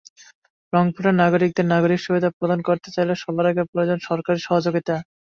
রংপুরের নাগরিকদের নাগরিক সুবিধা প্রদান করতে চাইলে সবার আগে প্রয়োজন সরকারি সহযোগিতা।